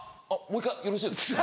もう１回よろしいですか？